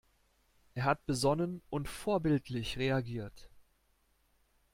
Er hat besonnen und vorbildlich reagiert.